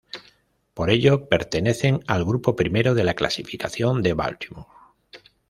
Por ello pertenecen al Grupo I de la Clasificación de Baltimore.